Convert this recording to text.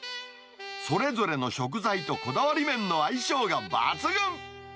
それぞれの食材とこだわり麺の相性が抜群。